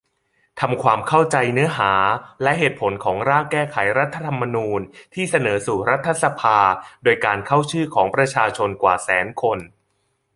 ทำความเข้าใจเนื้อหาและเหตุผลของ ร่างแก้ไขรัฐธรรมนูญที่เสนอสู่รัฐสภาโดยการเข้าชื่อของประชาชนกว่าแสนคน